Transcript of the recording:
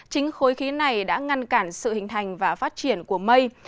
chính khối khí này đã ngăn cản sự hình thành và phát triển của mây